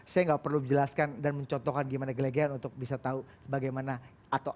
saya nggak perlu menjelaskan dan mencontohkan gimana gelegean untuk bisa tahu bagaimana atau